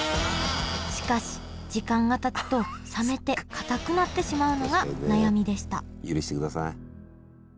しかし時間がたつと冷めてかたくなってしまうのが悩みでした許してください。